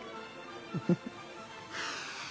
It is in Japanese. フフフッ。